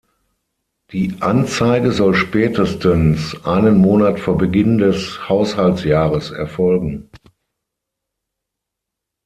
Die Anzeige soll spätestens einen Monat vor Beginn des Haushaltsjahres erfolgen.